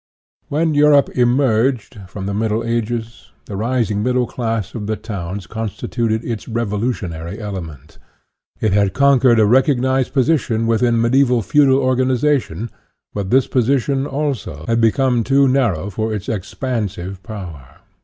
When Europe emerged from the Middle Ages, the rising middle class of the towns constituted its revolutionary element. It had conquered a recognized position within mediaeval feudal or ganization, but this position, also, had become too narrow for its expansive power.